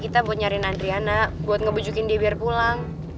kita buat nyariin adriana buat ngebujukin dia biar pulang